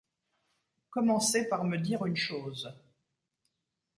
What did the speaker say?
Commencez par me dire une chose.